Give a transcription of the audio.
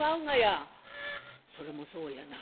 「それもそうやな。